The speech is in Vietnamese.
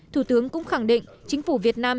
thủ tướng cũng khẳng định chính phủ việt nam